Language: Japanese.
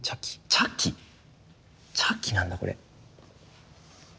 茶器⁉茶器なんだこれ。